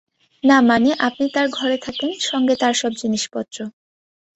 না মানে আপনি তার ঘরে থাকেন, সঙ্গে তার সব জিনিসপত্র।